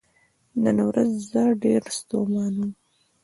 نن ورځ زه ډیر ستومان وم .